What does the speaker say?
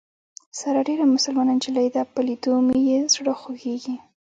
ساره ډېره مسلمان نجلۍ ده په لیدو مې یې زړه خوږېږي.